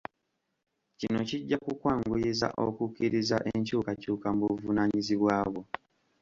Kino kijja kukwanguyiza okukkiriza enkyukakyuka mu buvunaanyizibwa bwo.